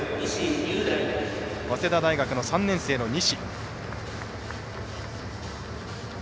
早稲田大学の３年生の西。